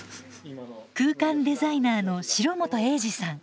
空間デザイナーの城本栄治さん。